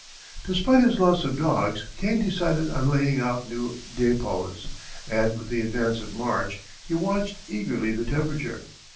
Despite his loss of dogs Kane decided on laying out new depots, and with the advance of March he watched eagerly the temperature.